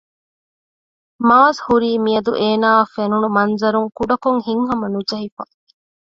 މާޒް ހުރީ މިއަދު އޭނާއަށް ފެނުނު މަންޒަރުން ކުޑަކޮށް ހިތްހަމަނުޖެހިފަ